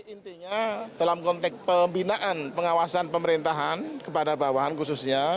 intinya dalam konteks pembinaan pengawasan pemerintahan kepada bawahan khususnya